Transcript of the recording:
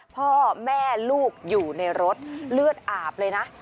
พ่อแม่ลูกอยู่ในรถเลือดอาบเลยนะ